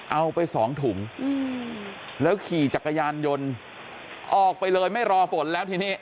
เอาไปสองถุงแล้วขี่จักรยานยนต์ออกไปเลยไม่รอฝนแล้วทีนี้